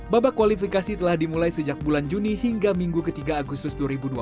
babak kualifikasi telah dimulai sejak bulan juni hingga minggu ketiga agustus dua ribu dua puluh